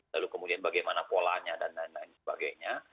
lalu kemudian bagaimana polanya dan lain lain sebagainya